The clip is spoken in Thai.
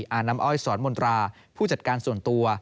อาน้ำอ้อยสอนมนตราผู้จัดการส่วนตัว